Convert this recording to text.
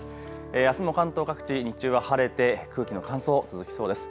あすも関東各地、日中は晴れて空気の乾燥、続きそうです。